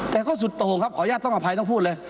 แต่ก็สุดโต่งครับขออนุญาตต้องอภัยต้องพูดเลย